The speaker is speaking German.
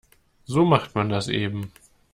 So macht man das eben.